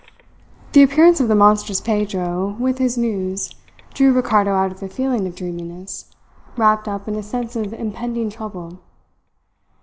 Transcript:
The appearance of the monstrous Pedro with his news drew Ricardo out of a feeling of dreaminess wrapped up in a sense of impending trouble.